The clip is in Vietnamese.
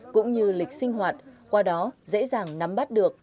cũng như lịch sinh hoạt qua đó dễ dàng nắm bắt được